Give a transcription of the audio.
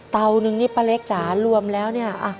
นึงนี่ป้าเล็กจ๋ารวมแล้วเนี่ย